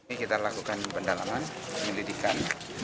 ini kita lakukan pendalaman penyelidikan